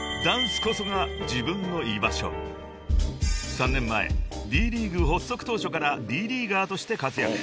［３年前Ｄ．ＬＥＡＧＵＥ発足当初からＤリーガーとして活躍］